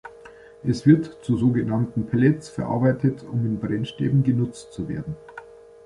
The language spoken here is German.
Es wird zu sogenannten „Pellets“ verarbeitet, um in Brennstäben genutzt zu werden.